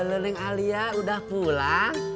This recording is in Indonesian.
lering alia udah pulang